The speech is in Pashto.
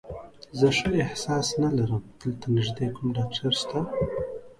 زه ښه احساس نه لرم، دلته نږدې کوم ډاکټر شته؟